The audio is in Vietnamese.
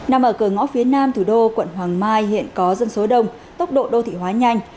nằm ở cửa ngõ phía nam thủ đô quận hoàng mai hiện có dân số đông tốc độ đô thị hóa nhanh